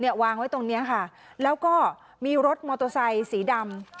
วางไว้ตรงเนี้ยค่ะแล้วก็มีรถมอเตอร์ไซสีดำ